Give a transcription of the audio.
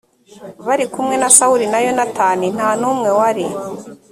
bari kumwe na sawuli na yonatani nta n umwe wari